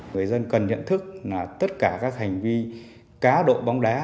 người dân cần nhận thức là tất cả các hành vi cá độ bóng đá